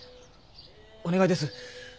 お願いです。